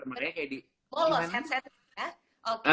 bolos headsetnya ya